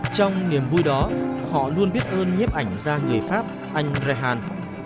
trong niềm vui đó họ luôn biết ơn nhiếp ảnh gia nghề pháp anh ra han